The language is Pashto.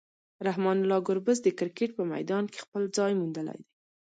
رحمان الله ګربز د کرکټ په میدان کې خپل ځای موندلی دی.